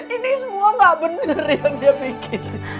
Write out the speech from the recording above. ini semua gak bener yang dia bikin